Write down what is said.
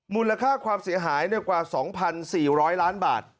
มูลค่าความเสียหายกว่า๒๔๐๐ล้านบาท